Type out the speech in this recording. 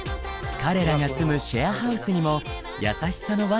彼らが住むシェアハウスにも優しさの輪が広がっていきます。